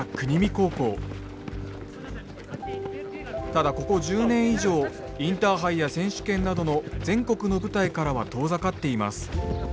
ただここ１０年以上インターハイや選手権などの全国の舞台からは遠ざかっています。